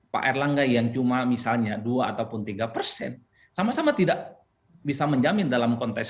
pak erlangga yang cuma misalnya dua ataupun tiga persen sama sama tidak bisa menjamin dalam konteks